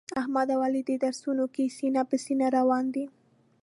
احمد او علي په درسونو کې سینه په سینه روان دي.